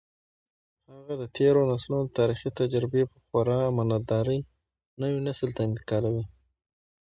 هغه د تېرو نسلونو تاریخي تجربې په خورا امانتدارۍ نوي نسل ته انتقالوي.